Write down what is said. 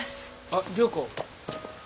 あっ良子。